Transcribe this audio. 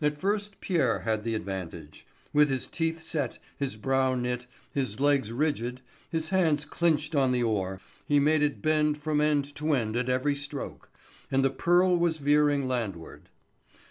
At first Pierre had the advantage. With his teeth set, his brow knit, his legs rigid, his hands clinched on the oar, he made it bend from end to end at every stroke, and the Pearl was veering landward.